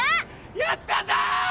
「やったぞ！」